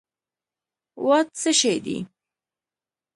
واټ څه شی دي